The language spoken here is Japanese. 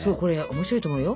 面白いと思うよ。